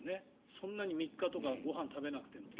そんなに３日とかご飯食べなくても。